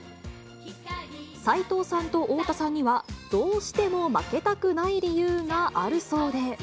斉藤さんと太田さんには、どうしても負けたくない理由があるそうで。